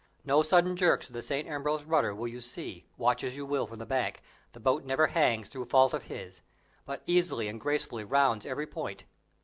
No sudden jerks of the St. Ambrose rudder will you see, watch as you will from the bank; the boat never hangs through fault of his, but easily and gracefully rounds every point.